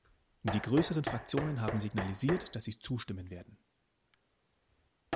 Die größeren Fraktionen haben signalisiert, dass sie zustimmen werden.